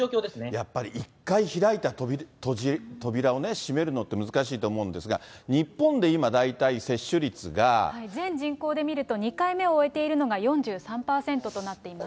やっぱり１回開いた扉を閉めるのって難しいと思うんですが、全人口で見ると、２回目を終えているのが４３％となっています。